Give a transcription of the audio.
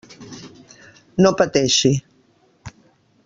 No pateixi.